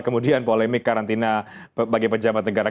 kemudian polemik karantina bagi pejabat negara